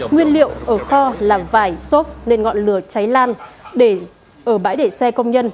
nguyên liệu ở kho làm vải xốp nên ngọn lửa cháy lan ở bãi để xe công nhân